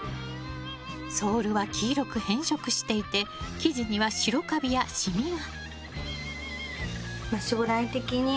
ソールは黄色く変色していて生地には白カビやシミが。